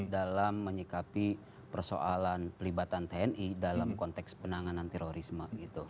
dalam menyikapi persoalan pelibatan tni dalam konteks penanganan terorisme